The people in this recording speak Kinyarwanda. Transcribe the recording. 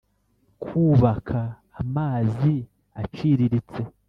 kubaka amazi aciriritse